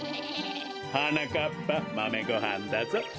はなかっぱまめごはんだぞ。